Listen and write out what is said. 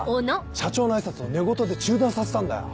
社長の挨拶を寝言で中断させたんだよ。